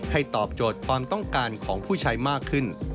ตอบโจทย์ความต้องการของผู้ใช้มากขึ้น